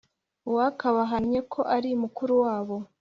Uwakabahannye ko ari mukuru wabo